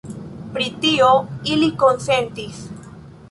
Pri tio ili konsentis.